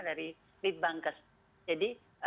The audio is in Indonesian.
dari lead bankers jadi